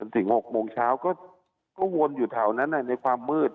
ถึง๖โมงเช้าก็วนอยู่แถวนั้นในความมืด